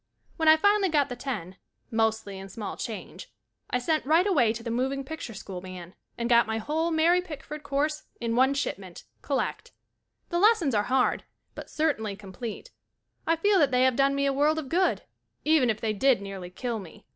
When I finally got the ten — mostly in small change — I sent right away to the moving picture school man and got my whole Mary Pickford course in one ship ment, collect. The lessons are hard but certainly complete. I feel that they have done me a world of good, even if they did nearly kill me.